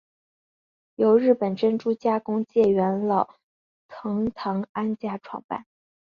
由日本珍珠加工界元老藤堂安家创办。